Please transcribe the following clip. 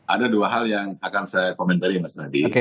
ada dua hal yang akan saya komentari mas nadi